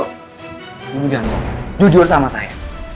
kemudian jujur sama saya